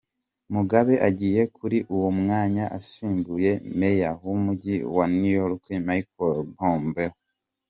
Mugabe agiye kuri uwo mwanya asimbuye Meya w’Umujyi wa New York, Michael Bloomberg.